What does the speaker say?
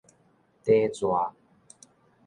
短逝